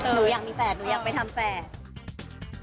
หนูอยากมีแฟนหนูอยากไปทำแฝด